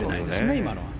今のは。